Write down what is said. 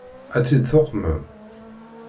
Ad tt-id-tuqmem?